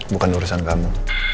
bukan urusan kamu